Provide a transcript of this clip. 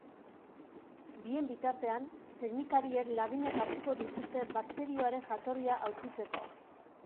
Bien bitartean, teknikariek laginak hartuko dituzte bakterioaren jatorria aurkitzeko.